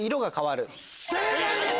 正解です！